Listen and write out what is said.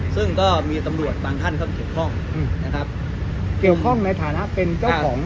ซึ่งก็มีตำรวจบางท่านเข้ามาเกี่ยวข้องนะครับเกี่ยวข้องในฐานะเป็นเจ้าของ